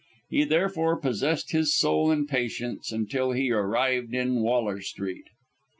He therefore possessed his soul in patience until he arrived in Waller Street.